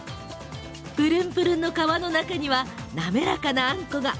ぷるんぷるんの皮の中には滑らかな、あんこが。